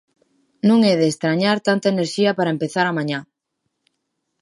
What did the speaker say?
Non é de estrañar tanta enerxía para empezar a mañá.